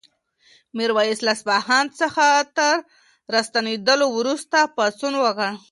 میرویس له اصفهان څخه تر راستنېدلو وروسته پاڅون وکړ.